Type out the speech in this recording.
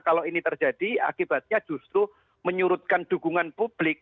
kalau ini terjadi akibatnya justru menyurutkan dukungan publik